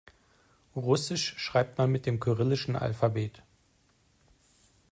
Russisch schreibt man mit dem kyrillischen Alphabet.